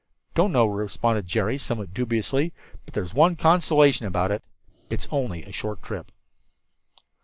"Don't know," responded Jerry, also somewhat dubiously, "but there's one consolation about it it's only a short trip."